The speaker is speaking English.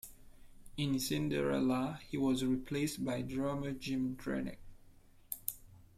In Cinderella, he was replaced by drummer Jim Drnec.